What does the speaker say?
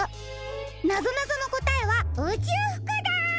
なぞなぞのこたえはうちゅうふくだ！